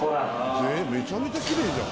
めちゃめちゃキレイじゃん。